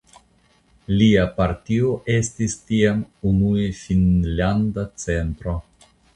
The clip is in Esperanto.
Lia partio estis tiam unue Finnlanda Centro.